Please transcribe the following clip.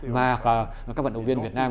mà các vận động viên việt nam